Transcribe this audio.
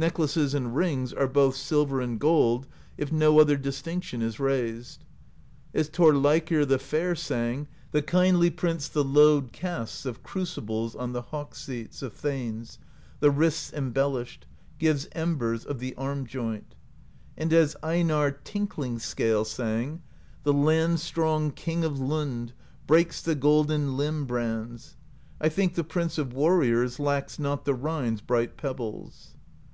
Necklaces and rings are both sil ver and gold, if no other distinction is raised. As Thorleikr the Fair sang: The kindly Prince the Load casts Of Crucibles on the Hawk Seats Of thanes, the wrists embellished, — Gives Embers of the Arm Joint. And as Einarr Tinkling Scale sang: The land strong King of Lund Breaks the golden Limb Brands; I think the Prince of Warriors Lacks not the Rhine's bright Pebbles.